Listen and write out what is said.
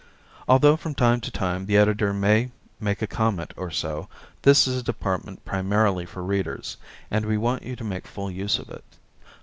Although from time to time the Editor may make a comment or so, this is a department primarily for Readers, and we want you to make full use of it.